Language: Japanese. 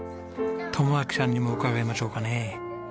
友晃さんにも伺いましょうかね。